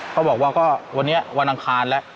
เขาบอกว่าก็วันนี้วันอังคารแล้ว